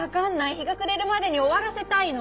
日が暮れるまでに終わらせたいの！